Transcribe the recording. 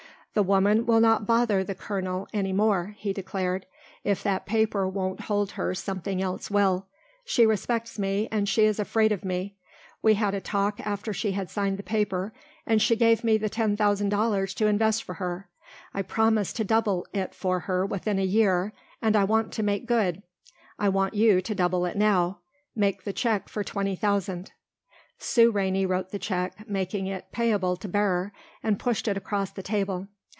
"The woman will not bother the colonel any more," he declared; "if that paper won't hold her something else will. She respects me and she is afraid of me. We had a talk after she had signed the paper and she gave me the ten thousand dollars to invest for her. I promised to double it for her within a year and I want to make good. I want you to double it now. Make the check for twenty thousand." Sue Rainey wrote the check, making it payable to bearer, and pushed it across the table.